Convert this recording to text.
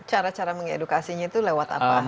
cara cara mengedukasinya itu lewat apa